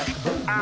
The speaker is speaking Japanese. あ。